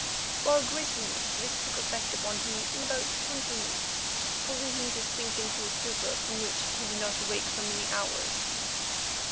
To our great relief this took effect upon him in about twenty minutes, causing him to sink into a stupor from which he did not awake for many hours.